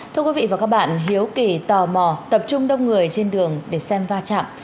thưa quý vị và các bạn hiếu kỳ tò mò tập trung đông người trên đường để xem va chạm